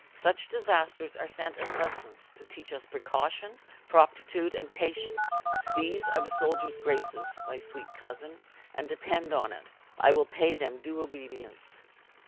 Such disasters are sent as lessons to teach us precaution, proptitude and patience these are the soldier's graces, my sweet cousin, and depend on it, I will pay them due obedience."